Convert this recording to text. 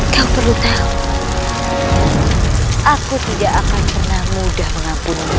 kau perlu tahu aku tidak akan pernah mudah mengampunimu pak haji